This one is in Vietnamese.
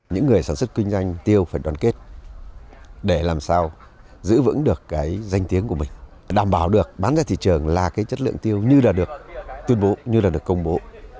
những người sản xuất kinh doanh tiêu phải đoàn kết để làm sao giữ vững được cái danh tiếng của mình đảm bảo được bán ra thị trường là cái chất lượng tiêu như là được tuyên bố như là được công bố